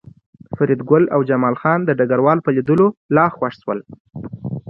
فریدګل او جمال خان د ډګروال په لیدو لا خوښ شول